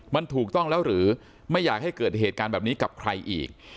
มันถูกต้องแล้วหรือไม่อยากให้เกิดเหตุการณ์แบบนี้กับใครอีก